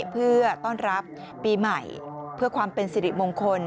เพื่อต้อนรับปีใหม่เพื่อความเป็นสิริมงคล